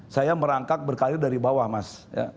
saya merangkak berkarir dari bawah mas